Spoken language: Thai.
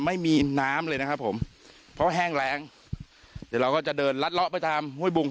ไม่มีน้ำเลยนะครับผมเพราะแห้งแรงเดี๋ยวเราก็จะเดินลัดเลาะไปตามห้วยบุง